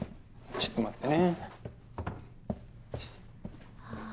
ちょっと待ってねああ